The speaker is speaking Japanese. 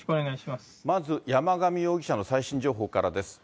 まず山上容疑者の最新情報からです。